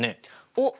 おっ！